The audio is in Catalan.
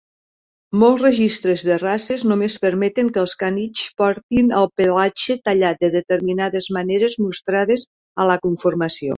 Molts registres de races només permeten que els canitxs portin el pelatge tallat de determinades maneres mostrades a la conformació.